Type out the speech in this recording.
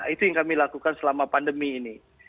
itu yang kami lakukan selama pandemi ini